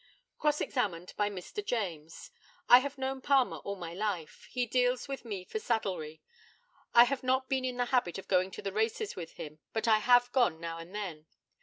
Cross examined by Mr. JAMES: I have known Palmer all my life. He deals with me for saddlery. I have not been in the habit of going to the races with him, but I have gone now and then.